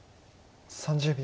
３０秒。